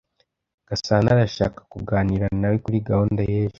Gasana arashaka kuganira nawe kuri gahunda y'ejo.